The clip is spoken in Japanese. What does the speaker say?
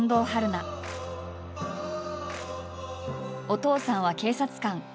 お父さんは警察官。